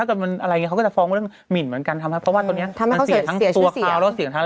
คุณรายการจะฟ้องแล้วเอาไปดิน